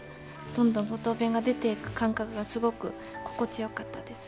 どんどん五島弁が出ていく感覚がすごく心地よかったですね。